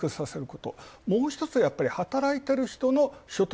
もうひとつはやっぱり、働いている人の所得。